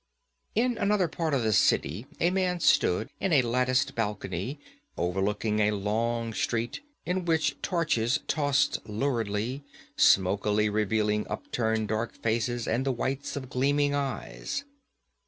In another part of the city a man stood in a latticed balcony overlooking a long street in which torches tossed luridly, smokily revealing upturned dark faces and the whites of gleaming eyes.